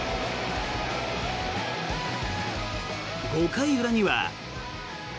５回裏には。